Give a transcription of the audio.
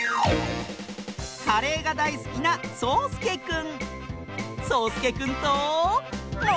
カレーがだいすきなそうすけくんとものしりとり！